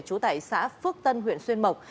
trú tại xã phước tân huyện xuyên mộc